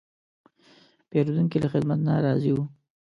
پیرودونکی له خدمت نه راضي و.